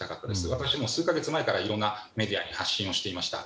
私も数か月前からいろんなメディアに発信をしていました。